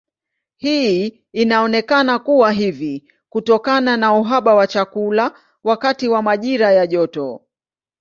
Hii inaonekana kuwa hivi kutokana na uhaba wa chakula wakati wa majira ya joto.